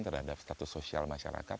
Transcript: terhadap status sosial masyarakat